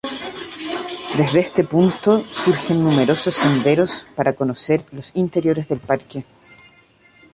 Desde este punto surgen numerosos senderos para conocer los interiores del parque.